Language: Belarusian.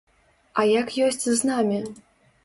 А як ёсць з намі?